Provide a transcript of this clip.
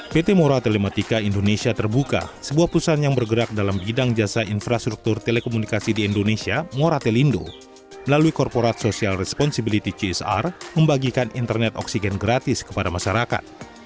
pt mora telematika indonesia terbuka sebuah perusahaan yang bergerak dalam bidang jasa infrastruktur telekomunikasi di indonesia mora telindo melalui corporate social responsibility csr membagikan internet oksigen gratis kepada masyarakat